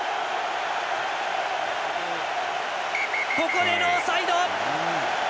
ここでノーサイド！